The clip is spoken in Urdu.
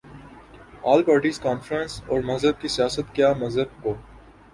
آل پارٹیز کانفرنس اور مذہب کی سیاست کیا مذہب کو